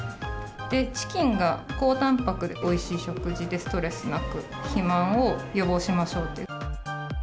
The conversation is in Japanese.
チキンが高たんぱくでおいしい食事で、ストレスなく肥満を予防しましょうと。